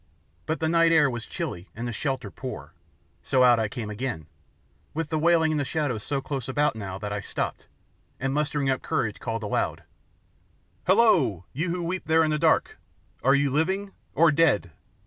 But the night air was chilly and the shelter poor, so out I came again, with the wailing in the shadows so close about now that I stopped, and mustering up courage called aloud: "Hullo, you who weep there in the dark, are you living or dead?"